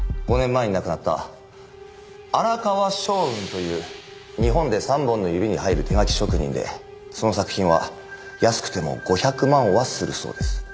５年前に亡くなった荒川祥雲という日本で三本の指に入る手描き職人でその作品は安くても５００万はするそうです。